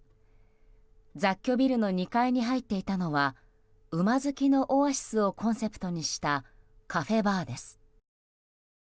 雑居ビルの２階に入っていたのは馬好きのオアシスをコンセプトにしたカフェバーです。